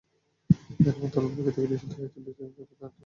এরই মধ্যে অলিম্পিক থেকে নিষিদ্ধ হয়েছেন, দেশেও ফেরত পাঠানো হয়েছে তাঁকে।